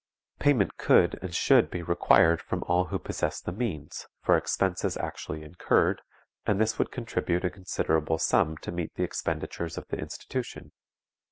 Payment could and should be required from all who possess the means, for expenses actually incurred, and this would contribute a considerable sum to meet the expenditures of the institution.